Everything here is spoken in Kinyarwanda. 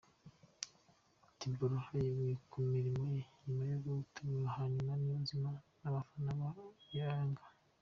Tiboroha yeguye ku mirimo ye nyuma yo guteranya Haruna Niyonzima n'abafana ba Yanga.